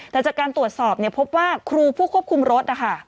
แต่จากการตรวจสอบพบว่าครูผู้ควบคุมรถนะคะ